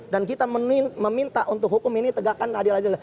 dan kita meminta untuk hukum ini tegakkan adil adil